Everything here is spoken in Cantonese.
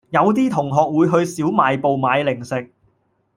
有啲同學會去小賣部買零食